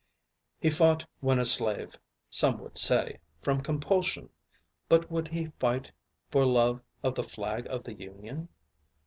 He fought when a slave, some would say, from compulsion, but would he fight for love of the flag of the Union?